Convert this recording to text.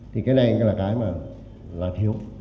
thì cái này là cái mà là thiếu